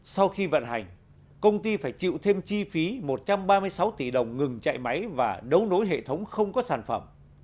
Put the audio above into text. sau khi vận hành công ty phải chịu thêm chi phí một trăm ba mươi sáu tỷ đồng ngừng chạy máy và đấu nối hệ thống không có sản phẩm